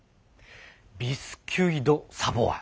ビスキュイ・ド・サヴォワ。